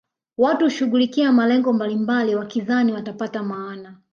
watu hushughulikia malengo mbalimbali wakidhania watapata maana